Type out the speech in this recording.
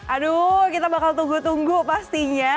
aduh kita bakal tunggu tunggu pastinya